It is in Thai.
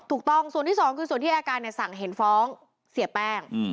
ถูกต้องส่วนที่สองคือส่วนที่อายการสั่งเห็นฟ้องเสียแป้ง